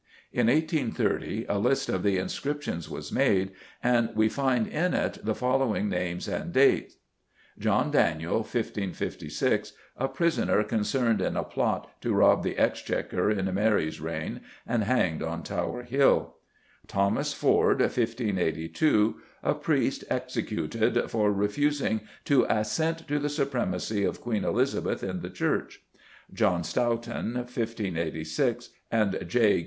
In 1830 a list of the inscriptions was made, and we find in it the following names and dates: "John Daniell, 1556," a prisoner concerned in a plot to rob the Exchequer in Mary's reign, and hanged on Tower Hill; "Thomas Forde, 1582," a priest executed "for refusing to assent to the supremacy of Queen Elizabeth in the Church"; "John Stoughton, 1586," and "J.